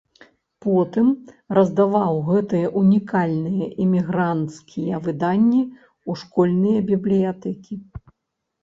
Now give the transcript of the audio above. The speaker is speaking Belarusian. Потым раздаваў гэтыя ўнікальныя эмігранцкія выданні ў школьныя бібліятэкі.